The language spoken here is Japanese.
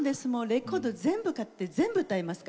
レコード全部買って全部歌えますから。